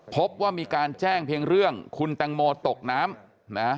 พบว่ามีการแจ้งเพียงเรื่องคุณแตงโมตกน้ำนะ